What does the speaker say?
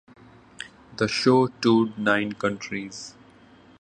The show toured nine countries.